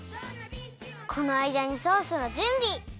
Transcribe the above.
このあいだにソースのじゅんび。